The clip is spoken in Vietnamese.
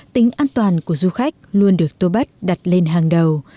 tính an toàn của du khách luôn được tô bách đặt lên hàng đầu